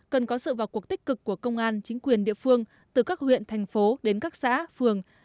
cần có sự vào cuộc tích cực của công an chính quyền địa phương từ các huyện thành phố đến các xã phường